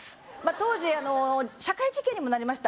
当時あの社会事件にもなりました